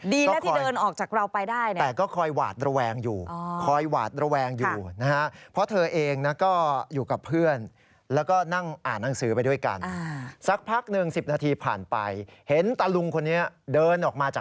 ดีนะที่เดินออกจากเราไปได้